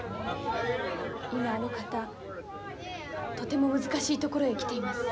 今あの方とても難しいところへ来ています。